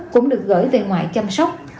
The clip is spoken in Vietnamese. cũng được gởi về ngoại chăm sóc